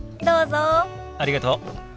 ありがとう。